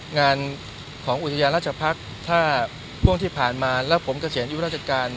งานของอุทยานราชพักษ์ถ้าช่วงที่ผ่านมาแล้วผมเกษียณอายุราชการ